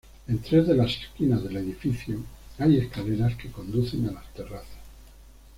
En tres de las esquinas del edificio, hay escaleras que conducen a las terrazas.